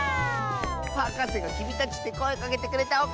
はかせが「きみたち」ってこえかけてくれたおかげだよ。